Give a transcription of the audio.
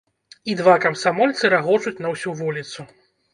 І два камсамольцы рагочуць на ўсю вуліцу.